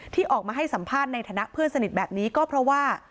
ที่ออกมาให้สัมภาษณ์ในฐานะเพื่อนสนิทแบบนี้ก็เพราะว่า